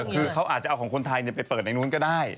คือเขาอาจจะเอาของคนไทยไปเปิดในนู้นก็ได้